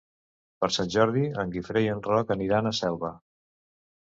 Per Sant Jordi en Guifré i en Roc aniran a Selva.